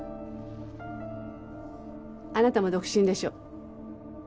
あなたも独身でしょ？